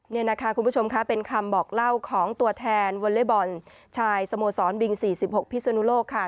นี่นะคะคุณผู้ชมค่ะเป็นคำบอกเล่าของตัวแทนวอเล็กบอลชายสโมสรบิง๔๖พิศนุโลกค่ะ